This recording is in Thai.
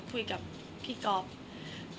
แต่ขวัญไม่สามารถสวมเขาให้แม่ขวัญได้